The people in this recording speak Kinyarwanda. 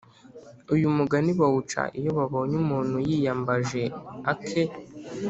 uyu mugani bawuca iyo babonye umuntu yiyambaje ake;